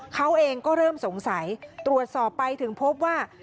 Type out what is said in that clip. เขาเองก็เริ่มสงสัยตรวจสอบไปถึงพบว่า